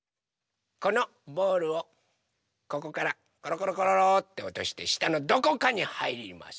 このボールをここからころころころっておとしてしたのどこかにはいります。